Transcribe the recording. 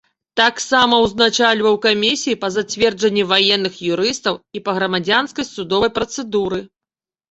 Таксама ўзначальваў камісіі па зацвярджэнні ваенных юрыстаў і па грамадзянскай судовай працэдуры.